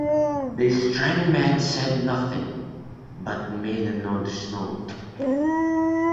The strange man said nothing but made another snort.